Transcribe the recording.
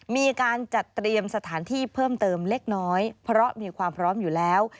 มีการจัดเตรียมสถานที่เพิ่มเติมเล็กน้อยเพราะมีความพร้อมอยู่แล้ว